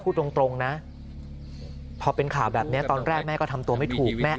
พูดตรงนะพอเป็นข่าวแบบนี้ตอนแรกแม่ก็ทำตัวไม่ถูกแม่